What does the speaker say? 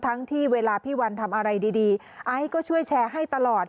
ที่เวลาพี่วันทำอะไรดีไอซ์ก็ช่วยแชร์ให้ตลอด